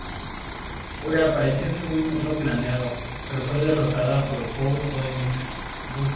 Ogre apareció según lo planeado, pero fue derrotado por Paul Phoenix.